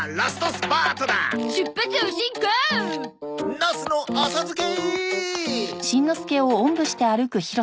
ナスの浅漬け！